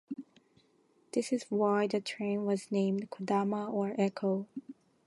This is why the train was named "Kodama", or echo.